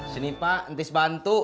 sini pak entis bantu